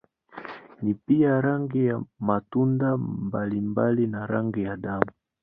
Ni pia rangi ya matunda mbalimbali na rangi ya damu.